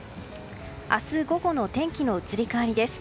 明日午後の天気の移り変わりです。